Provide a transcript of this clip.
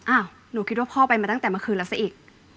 หนูคิดว่าพ่อไปมาตั้งแต่เมื่อคืนแล้วซะอีก